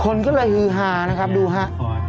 คนก็เลยฮือฮานะครับดูฮะ